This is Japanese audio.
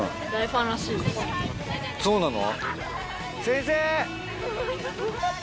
そうなの？